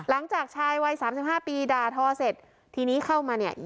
หลังจากชายวัยสามสิบห้าปีด่าทอเสร็จทีนี้เข้ามาเนี่ย